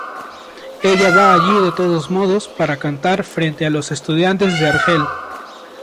Ella va allí de todos modos para cantar frente a los estudiantes de Argel.